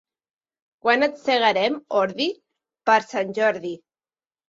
Quan et segarem, ordi? Per Sant Jordi.